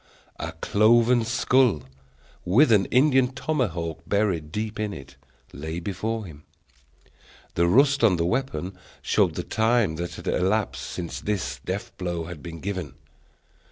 a cloven skull, with an Indian tomahawk buried deep in it, lay before him. The rust on the weapon showed the time that had elapsed since this death blow had been given.